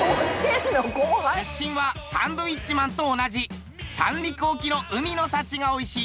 出身はサンドウィッチマンと同じ三陸沖の海の幸がおいしい宮城県。